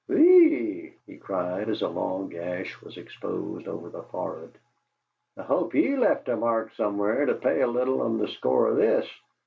"WHEE!" he cried, as a long gash was exposed over the forehead. "I hope ye left a mark somewhere to pay a little on the score o' this!"